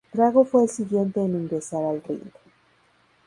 Drago fue el siguiente en ingresar al ring.